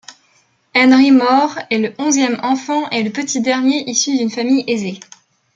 Henry More est le onzième enfant et petit dernier issu d'une famille aisée.